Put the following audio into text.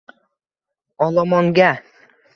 Olomonga